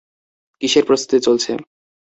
কীসের প্রস্তুতি চলছে?